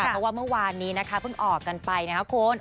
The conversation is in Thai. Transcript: เพราะว่าเมื่อวานนี้นะคะเพิ่งออกกันไปนะครับคุณ